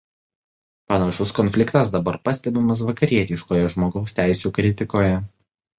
Panašus konfliktas dabar pastebimas „vakarietiškoje žmogaus teisių“ kritikoje.